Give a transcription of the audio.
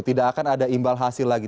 tidak akan ada imbal hasil lagi